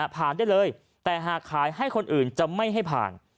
ผ่านได้เลยแต่หากขายให้คนอื่นจะไม่ให้ผ่าน